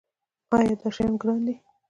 ایا دا شیان ګران دي؟